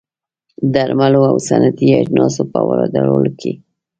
درملو او صنعتي اجناسو په واردولو کې